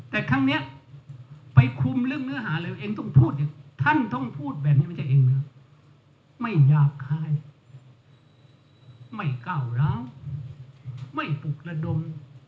แต่ครั้งนี้ไปคุมเรื่องเนื้อหาเร็วเองต้องพูดท่านต้องพูดแบบนี้ไม่ใช่เองนะไม่หยาบคายไม่ก้าวร้าวไม่ปลุกระดม